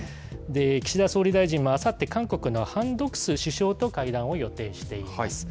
岸田総理大臣はあさって韓国のハン・ドクス首相と会談を予定しています。